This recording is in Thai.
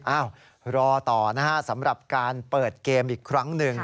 อ้าวรอต่อนะฮะสำหรับการเปิดเกมอีกครั้งหนึ่ง